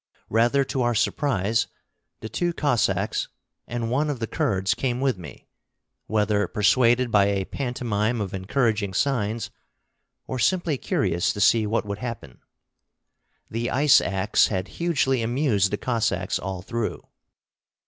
Rather to our surprise, the two Cossacks and one of the Kurds came with me, whether persuaded by a pantomime of encouraging signs, or simply curious to see what would happen. The ice axe had hugely amused the Cossacks all through.